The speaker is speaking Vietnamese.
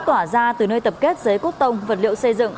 hỏa ra từ nơi tập kết giấy cốt tông vật liệu xây dựng